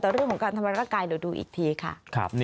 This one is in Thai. แต่เรื่องเรื่องการทำรักกายเดี๋ยุ่ะดูอีกทีค่ะ